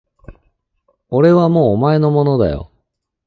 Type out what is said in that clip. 俺はもうお前のものだよ